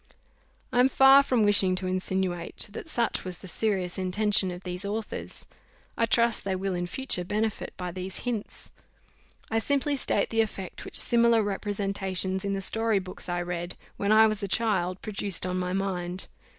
I am far from wishing to insinuate that such was the serious intention of these authors. I trust they will in future benefit by these hints. I simply state the effect which similar representations in the story books I read, when I was a child, produced on my mind.